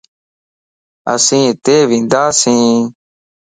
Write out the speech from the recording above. اسين اتي ونداسين